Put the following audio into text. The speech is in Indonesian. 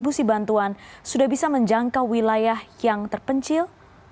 busi bantuan sudah bisa menjangkau wilayah yang terpencil